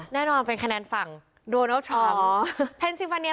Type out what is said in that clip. แน่นอนเป็นคะแนนฝั่งโดนัลด์ทรัมป์อ๋อ